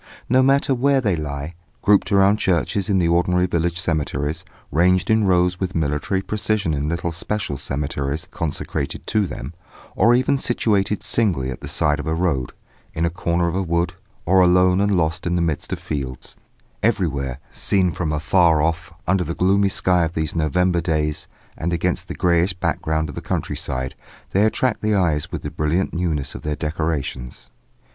No matter where they lie, grouped around churches in the ordinary village cemeteries, ranged in rows with military precision in little special cemeteries consecrated to them, or even situated singly at the side of a road, in a corner of a wood, or alone and lost in the midst of fields, everywhere, seen from afar off, under the gloomy sky of these November days and against the greyish background of the countryside, they attract the eyes with the brilliant newness of their decorations.